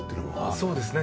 そうですね